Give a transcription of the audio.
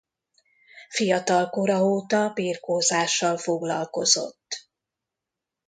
Fiatalkora óta birkózással foglalkozott.